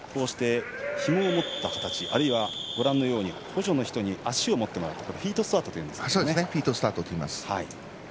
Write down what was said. ひもを持った形あるいは補助の人に足を持ってもらってフィートスタートというんですが。